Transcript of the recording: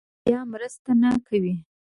بیا مرسته نه کوي.